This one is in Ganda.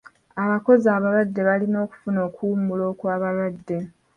Abakozi abalwadde balina okufuna okuwummula okw'abalwadde.